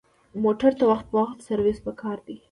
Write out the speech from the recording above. موټر ته وخت په وخت سروس پکار دی.